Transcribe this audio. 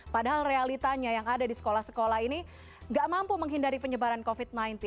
padahal realitanya yang ada di sekolah sekolah ini nggak mampu menghindari penyebaran covid sembilan belas